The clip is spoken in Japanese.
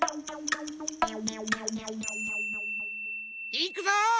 いくぞ。